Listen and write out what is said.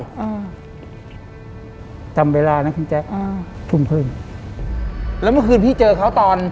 อ่าจำเวลานะคุณแจ๊คอ่าทุ่มครึ่งแล้วเมื่อคืนพี่เจอเขาตอน